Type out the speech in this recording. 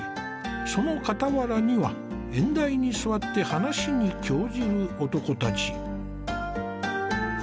その傍らには縁台に座って話に興じる男たち。